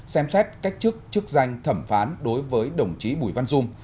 xem xét cách chức chức danh thẩm phán đối với đồng chí bùi văn dung